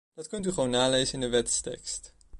Dat kunt u gewoon nalezen in de wetstekst.